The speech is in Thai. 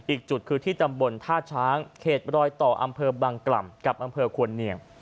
อีกจุดคือที่ตำบลท่าช้างเขตรอยต่ออำเภอบังกล่ำกับอำเภอควรเนียง